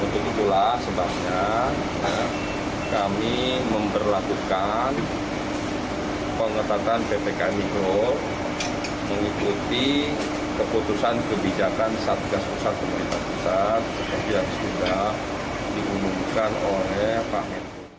untuk itulah sebabnya kami memperlakukan pengetatan ppkm mikro mengikuti keputusan kebijakan satgas pusat